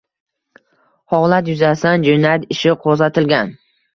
Holat yuzasidan jinoyat ishi qo‘zg‘atilgan